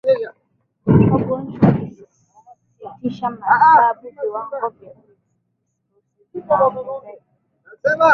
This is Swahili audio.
wagonjwa wakisitisha matibabu viwango vya virusi vinaongezeka